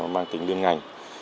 mang tính liên ngành